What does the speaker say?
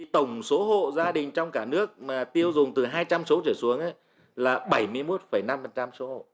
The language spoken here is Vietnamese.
tổng số hộ gia đình trong cả nước mà tiêu dùng từ hai trăm linh số trở xuống là bảy mươi một năm số hộ